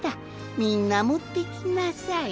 みんなもってきなさい。